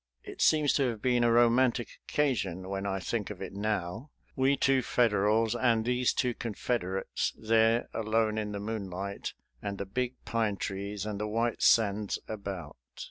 It seems to have been a romantic occasion, when I think of it now; we two Federals and these two Confederates, there alone in the moonlight, and the big pine trees and the white sands about.